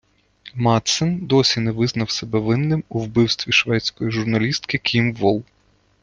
Мадсен досі не визнав себе винним у вбивстві шведської журналістки Кім Волл.